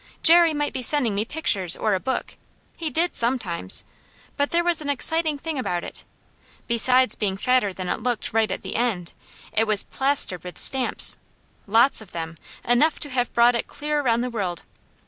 Jerry might be sending me pictures, or a book, he did sometimes, but there was an exciting thing about it. Besides being fatter than it looked right at the end, it was plastered with stamps lots of them, enough to have brought it clear around the world.